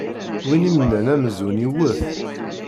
Win imennan amzun iwwet.